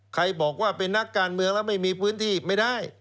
บอกว่าเป็นนักการเมืองแล้วไม่มีพื้นที่ไม่ได้